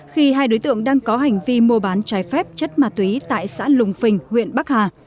khi hai đối tượng đang có hành vi mua bán trái phép chất ma túy tại xã lùng phình huyện bắc hà